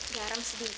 terima kasih pak